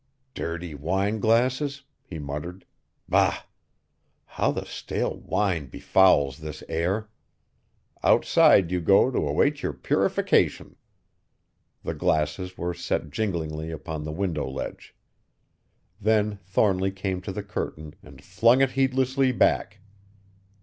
"Dirty wineglasses!" he muttered, "bah! how the stale wine befouls this air! Outside you go to await your purification!" The glasses were set jinglingly upon the window ledge. Then Thornly came to the curtain and flung it heedlessly back.